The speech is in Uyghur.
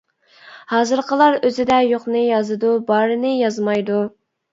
ھازىرقىلار ئۆزىدە يوقنى يازىدۇ، بارىنى يازمايدۇ.